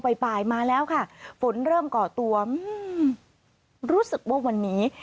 บ่ายมาแล้วค่ะฝนเริ่มก่อตัวอืมรู้สึกว่าวันนี้